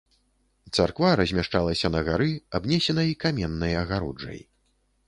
Царква размяшчалася на гары абнесенай каменнай агароджай.